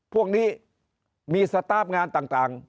พวกนี้มีสตาร์ฟงานต่าง